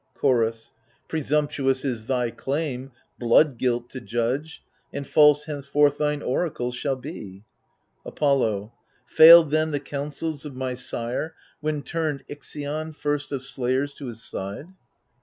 Chorus Presumptuous is thy claim, blood guilt to judge, And false henceforth thine oracles shall be. Apollo Failed then the counsels of my sire, when turned Ixion, first of slayers, to his side